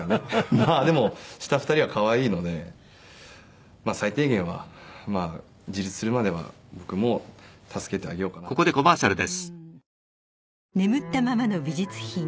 まあでも下２人は可愛いので最低限は自立するまでは僕も助けてあげようかなと思ってますけど。